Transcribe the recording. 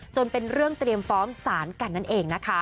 จนเป็นเรื่องเตรียมฟ้องสารกันนั่นเอง